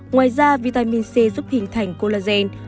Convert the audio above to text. ngoài ra vitamin c giúp hình thành collagen